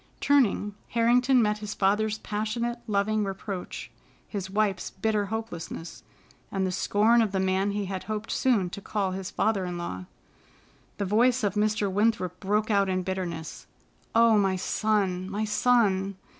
Turning, Harrington met his father's passionate, loving reproach, his wife's bitter hopelessness, and the scorn of the man he had hoped soon to call his father in law. The voice of Mr. Winthrop broke out in bitterness: "Oh, my son, my son!"